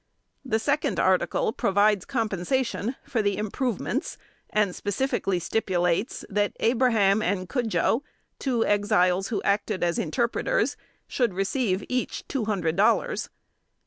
The second article provides compensation for the improvements, and specifically stipulates, that Abraham and Cudjoe (two Exiles who acted as interpreters) should receive, each, two hundred dollars.